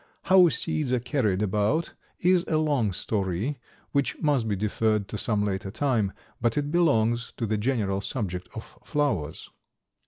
How seeds are carried about is a long story, which must be deferred to some later time, but it belongs to the general subject of flowers.